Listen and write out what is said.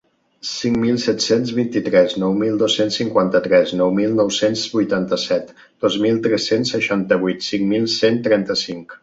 Cinc mil set-cents vint-i-tres nou mil dos-cents cinquanta-tres nou mil nou-cents vuitanta-set dos mil tres-cents seixanta-vuit cinc mil cent trenta-cinc...